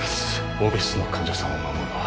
オペ室の患者さんを守るのは